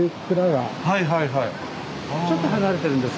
はいはいはい。